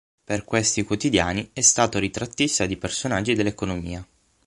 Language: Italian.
Per questi quotidiani è stato ritrattista di personaggi dell'economia.